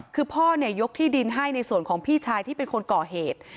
คือพ่อยกที่ดินให้ในส่วนของพี่ชายที่เป็นคนก่อเหตุ